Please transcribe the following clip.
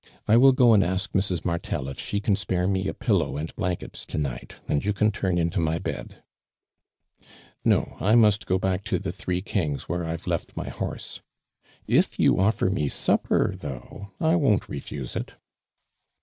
I will go and ask Mrs. Martel if she can spare me a pillow and blanket to night, aud you can turn into my bod." " No, I must go back to the Three Kings, whore I've left my horse. If you oHer ni« supper, though, I won't ref\ige it."